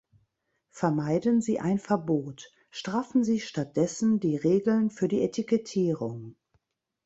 Vermeiden Sie ein Verbot straffen Sie stattdessen die Regeln für die Etikettierung.